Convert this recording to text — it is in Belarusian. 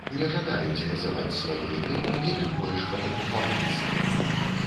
Не жадаюць называць свае імёны і тым больш фатаграфавацца.